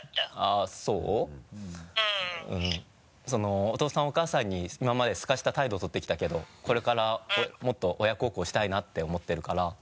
そのお父さんお母さんに今まですかした態度取ってきたけどこれからもっと親孝行したいなって思ってるから。